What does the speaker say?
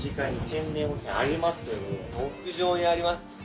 屋上にあります。